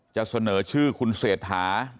จะเสนอชื่อคุณเศรษฐา